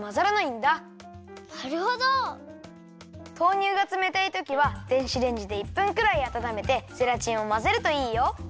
豆乳がつめたいときは電子レンジで１分くらいあたためてゼラチンをまぜるといいよ。